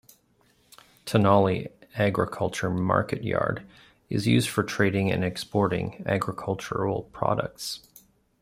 "Tenali Agriculture Marketyard" is used for trading and exporting agricultural products.